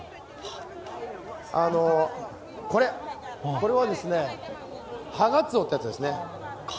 これはですね、ハガツオってやつですね。